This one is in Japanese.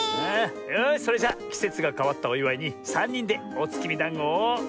よしそれじゃきせつがかわったおいわいにさんにんでおつきみだんごを。